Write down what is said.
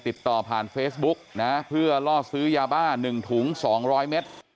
ติดต่อผ่านเฟซบุ๊กนะเพื่อล่อซื้อยาบ้า๑ถุง๒๐๐เมตร